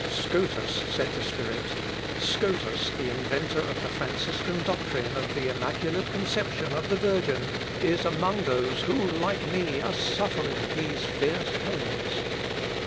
"Scotus," said the spirit, "Scotus, the inventor of the Franciscan doctrine of the immaculate conception of the Virgin, is among those who like me are suffering these fierce pains."